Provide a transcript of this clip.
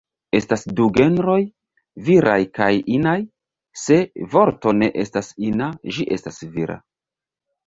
Estas du genroj: viraj kaj inaj, se vorto ne estas ina, ĝi estas vira.